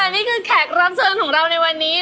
นี่คือแขกรับเชิญของเราในวันนี้